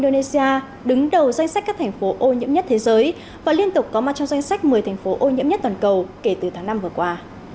indonesia đứng đầu danh sách các thành phố ô nhiễm nhất thế giới và liên tục có mặt trong danh sách một mươi thành phố ô nhiễm nhất toàn cầu kể từ tháng năm vừa qua